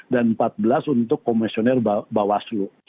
dan empat belas untuk komisioner bawaslu